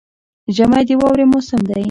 ژمی د واورې موسم دی